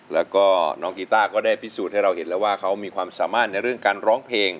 แล้วก็น้องกีต้าก็ได้พิสูจน์ให้เราเห็นแล้วว่าเขามีความสามารถในเรื่องการร้องเพลง